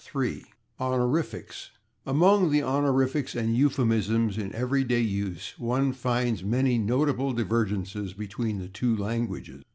§ 3 /Honorifics/ Among the honorifics and euphemisms in everyday use one finds many notable divergences between the two languages.